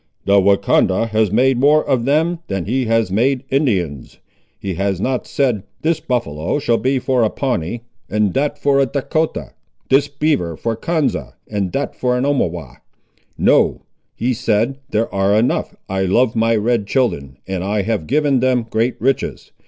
"The Wahcondah has made more of them than he has made Indians. He has not said, This buffaloe shall be for a Pawnee, and that for a Dahcotah; this beaver for Konza, and that for an Omawhaw. No; he said, There are enough. I love my red children, and I have given them great riches.